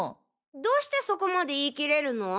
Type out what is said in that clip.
どうしてそこまで言い切れるの？